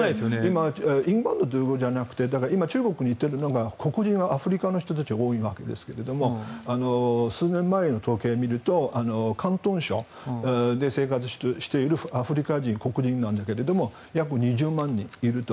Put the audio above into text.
今、インバウンドというんじゃなくて中国に行っているのが黒人アフリカの人たちが多いわけですけど数年前の統計を見ると広東省で生活をしているアフリカ人、黒人なんだけども約２０万人いると。